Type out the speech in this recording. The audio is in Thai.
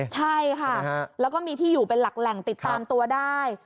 ใช่ค่ะแล้วก็มีที่อยู่เป็นหลักแหล่งติดตามตัวได้